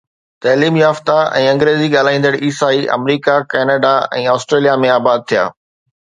تعليم يافته ۽ انگريزي ڳالهائيندڙ عيسائي آمريڪا، ڪئناڊا ۽ آسٽريليا ۾ آباد ٿيا.